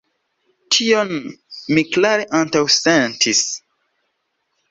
Tion mi klare antaŭsentis.